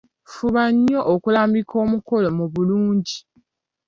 Fuba nnyo okulambika omukolo mu bulungi.